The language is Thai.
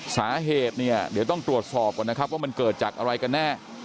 สาเหตุเนี่ยเดี๋ยวต้องตรวจสอบก่อนนะครับว่ามันเกิดจากอะไรกันแน่